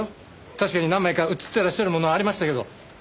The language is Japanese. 確かに何枚か写ってらっしゃるものありましたけど。